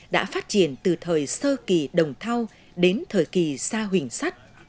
đã phát triển từ thời sơ kỳ đồng thâu đến thời kỳ xa huỳnh sắt